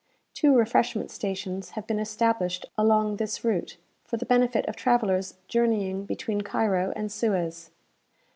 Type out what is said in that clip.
Two refreshment stations have been established along this route, for the benefit of travellers journeying between Cairo and Suez.